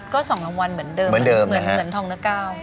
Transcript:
ก็๒รางวัลเหมือนเดิมเหมือนทองหน้าก้าว